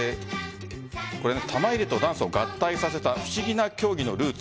玉入れとダンスを合体させた不思議な競技のルーツ